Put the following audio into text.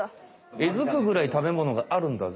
えずくぐらい食べものがあるんだぜ！